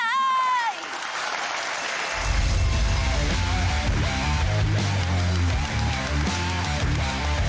โอ้โฮมีเป็นล้านฝากใครจะเป็นผู้โชคดี